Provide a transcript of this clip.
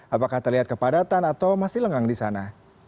apakah terlihat kepadatan atau masih lengang di sana